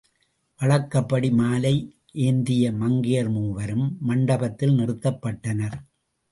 வழக்கப்படி மாலை ஏந்திய மங்கையர் மூவரும் மண்டபத்தில் நிறுத்தப்பட்டனர்.